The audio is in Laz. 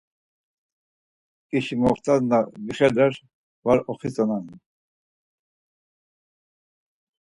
Ǩişi moxt̆as na vixeler var oxitzonen.